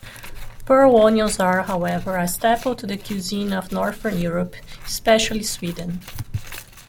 'Pearl' onions are, however, a staple to the cuisine of Northern Europe, especially Sweden.